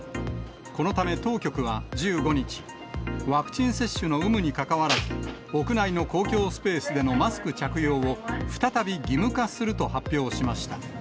このため、当局は１５日、ワクチン接種の有無にかかわらず、屋内の公共スペースでのマスク着用を再び義務化すると発表しました。